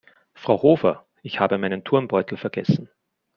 Frau Hofer, ich habe meinen Turnbeutel vergessen.